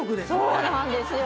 そうなんですよ。